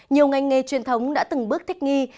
nhiều ngành nghề truyền thống đã từng bước thích nghi